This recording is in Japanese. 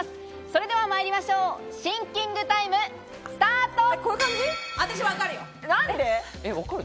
それでは参りましょう、シンキングタイムスタート！